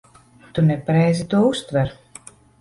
Tu nepareizi to uztver.